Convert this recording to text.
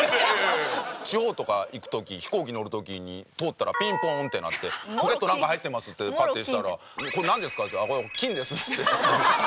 地方とか行く時飛行機に乗る時に通ったらピンポンって鳴って「ポケット何か入ってます？」ってパッて出したら「これなんですか？」っていうから「これ金です」っつって。